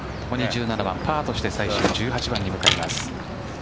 １７番、パーとして最終１８番に向かいます。